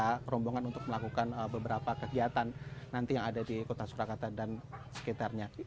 ada rombongan untuk melakukan beberapa kegiatan nanti yang ada di kota surakarta dan sekitarnya